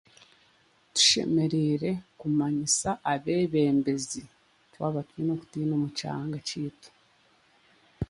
Tushemerire kumanyisa abebembezi twaba twine okutiina omu kyanga kyeitu.